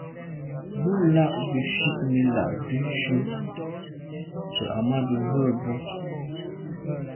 Bú lá' gə́ fít nə̀ lɑgdə̌ jú zə̄ Ahmadou rə̂ bú.